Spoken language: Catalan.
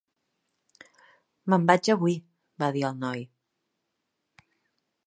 "Me'n vaig avui", va dir el noi.